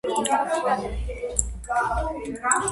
პირველი კორპუსის დასრულების შემდეგ ამოქმედდა სამი განყოფილება.